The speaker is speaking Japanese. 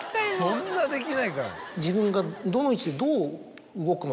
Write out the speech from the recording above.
そんなできないかな？